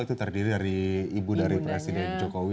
itu terdiri dari ibu dari presiden jokowi